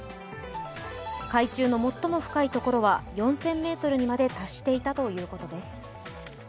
海中の最も深いところは４０００ｍにまで達していたということです。